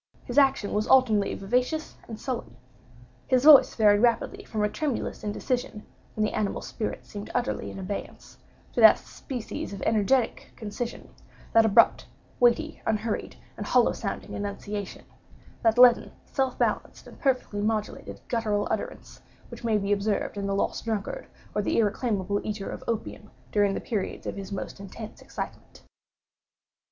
His action was alternately vivacious and sullen. His voice varied rapidly from a tremulous indecision (when the animal spirits seemed utterly in abeyance) to that species of energetic concision—that abrupt, weighty, unhurried, and hollow sounding enunciation—that leaden, self balanced and perfectly modulated guttural utterance, which may be observed in the lost drunkard, or the irreclaimable eater of opium, during the periods of his most intense excitement.